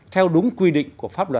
theo đúng quy định